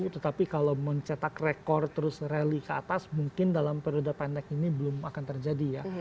tetapi kalau mencetak rekor terus rally ke atas mungkin dalam periode pendek ini belum akan terjadi ya